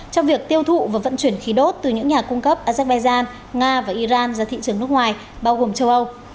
trong việc tiêu thụ và vận chuyển khí đốt từ những nhà cung cấp azerbaijan nga và iran ra thị trường nước ngoài bao gồm châu âu